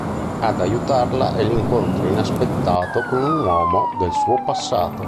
Ad aiutarla è l'incontro inaspettato con un uomo del suo passato.